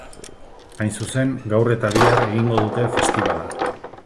Hain zuzen, gaur eta bihar egingo dute festibala.